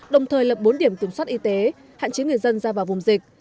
đồng thời lập bốn điểm kiểm soát y tế hạn chế người dân ra vào vùng dịch